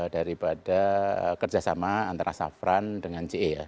daripada kerjasama antara safran dengan ce ya